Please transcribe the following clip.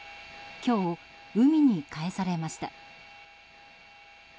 今日、海にかえされました。